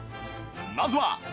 まずは